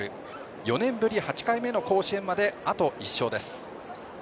４年ぶり８回目の甲子園まであと１勝です。